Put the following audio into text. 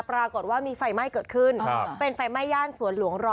ปรากฏว่ามีไฟไหม้เกิดขึ้นเป็นไฟไหม้ย่านสวนหลวง๑๐